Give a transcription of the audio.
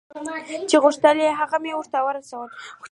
چې غوښتل هغه مې ورته رسول.